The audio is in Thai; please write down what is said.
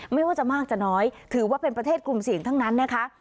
ไม่ว่าจะมากจะน้อยถือว่าเป็นประเทศกลุ่มเสี่ยงทั้งนั้นนะคะ